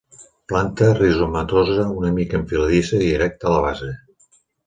Planta rizomatosa, una mica enfiladissa i, erecta a la base.